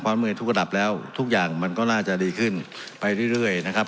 เมื่อยทุกระดับแล้วทุกอย่างมันก็น่าจะดีขึ้นไปเรื่อยนะครับ